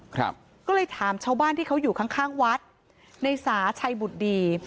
ครับก็เลยถามชาวบ้านที่เขาอยู่ข้างข้างวัดในสาชัยบุตรดี